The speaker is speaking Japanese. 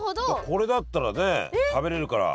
これだったらね食べれるから。